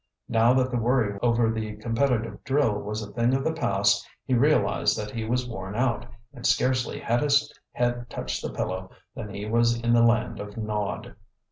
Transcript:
Now that the worry over the competitive drill was a thing of the past he realized that he was worn out, and scarcely had his head touched the pillow than he was in the land of Nod.